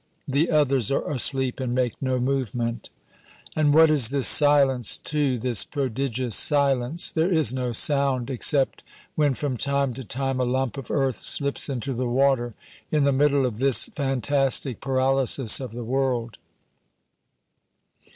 The others are asleep, and make no movement. And what is this silence, too, this prodigious silence? There is no sound, except when from time to time a lump of earth slips into the water, in the middle of this fantastic paralysis of the world.